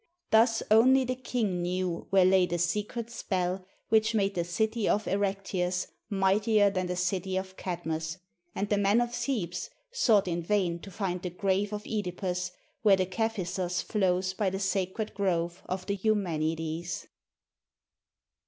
Thus only the king knew where lay the secret spell which made the city of Erechtheus mightier than the city of Kadmos; and the men of Thebes sought in vain to find the grave of (Edipus where the Kephisos flows by the sacred grove of the Eumenides.